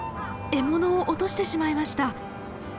獲物を落としてしまいました。